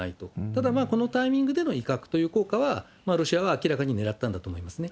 ただ、このタイミングでの威嚇という効果は、ロシアは明らかに狙ったんなるほど。